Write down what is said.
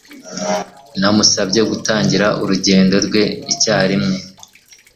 Namusabye gutangira urugendo rwe icyarimwe.